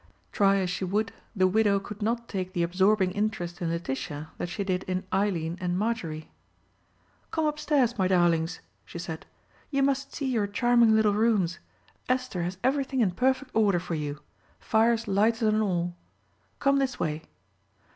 Try as she would, the widow could not take the absorbing interest in Letitia that she did in Eileen and Marjorie. "Come upstairs, my darlings," she said. "You must see your charming little rooms. Esther has everything in perfect order for you; fires lighted and all. Come this way."